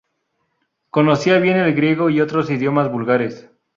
Conocía bien el griego y otros idiomas vulgares.